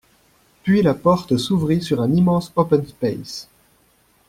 puis la porte s’ouvrit sur un immense open space